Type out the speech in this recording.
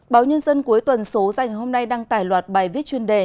báo nhân dân cuối tuần số dành hôm nay đang tài loạt bài viết chuyên đề